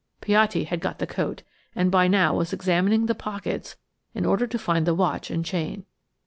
Piatti had got the coat, and by now was examining the pockets in order to find the watch and chain.